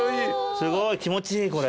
すごい気持ちいいこれ。